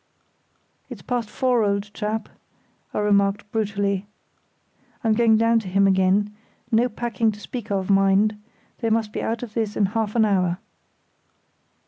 "It's past four, old chap," I remarked, brutally. "I'm going down to him again. No packing to speak of, mind. They must be out of this in half an hour."